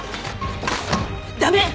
駄目！